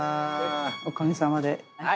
おかげさまで。来た！